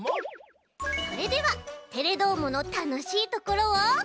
それでは「テレどーも！」のたのしいところを。